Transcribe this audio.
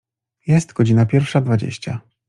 Jest godzina pierwsza dwadzieścia.